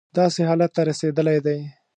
داسې حالت ته رسېدلی دی.